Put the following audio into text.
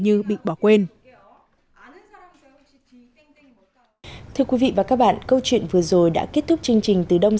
như bị bỏ quên thưa quý vị và các bạn câu chuyện vừa rồi đã kết thúc chương trình từ đông